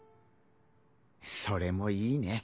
それもいいね。